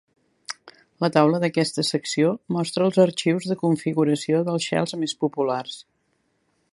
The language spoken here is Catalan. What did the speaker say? La taula d'aquesta secció mostra els arxius de configuració dels shells més populars.